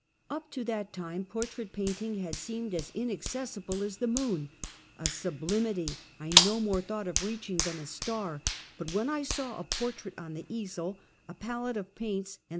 Up to that time portrait painting had seemed as inaccessible as the moon — a sublimity I no more thought of reaching than a star; but when I saw a portrait on the easel, a palette of paints and.